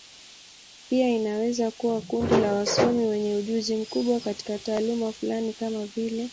Pia inaweza kuwa kundi la wasomi wenye ujuzi mkubwa katika taaluma fulani, kama vile.